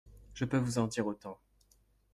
Je peux vous en dire autant.